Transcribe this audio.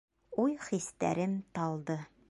Уй-хистәрем талды.